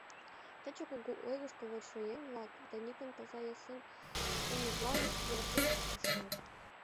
Таче кугу ойгышко вочшо еҥ-влак Даникын таза-эсен улмыжлан йывыртен ошкылыт.